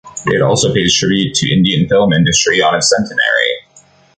It also pays tribute to Indian film industry on its centenary.